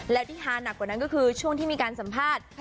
แล้วที่ฮาหนักกว่านั้นก็คือช่วงที่มีการสัมภาษณ์